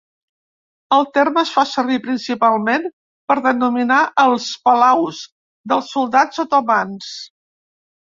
El terme es fa servir principalment per denominar els palaus dels soldans otomans.